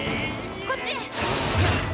こっちへ！